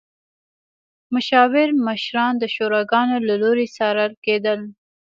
مشاور مشران د شوراګانو له لوري څارل کېدل.